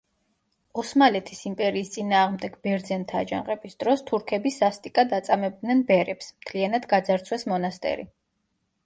ოსმალეთის იმპერიის წინააღმდეგ ბერძენთა აჯანყების დროს თურქები სასტიკად აწამებდნენ ბერებს, მთლიანად გაძარცვეს მონასტერი.